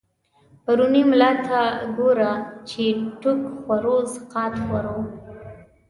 پرونی ملا ته گوره، چی ټوک خورو سقاط خورو